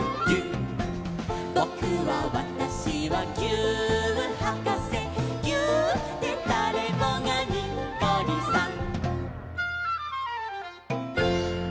「ぼくはわたしはぎゅーっはかせ」「ぎゅーっでだれもがにっこりさん！」